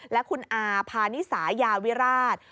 และคุณอาพานิสายาวิราช